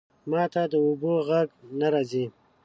ماته د اوبو ژغ نه راځی